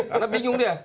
karena bingung dia